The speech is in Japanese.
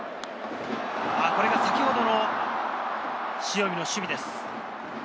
これが先ほどの塩見の守備です。